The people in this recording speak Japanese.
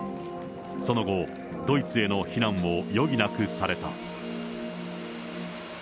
その後、ドイツへの避難を余儀なくされた。